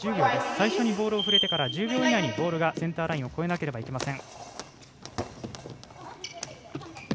最初にボールを触れてから１０秒以内にボールがセンターラインを越えなければいけません。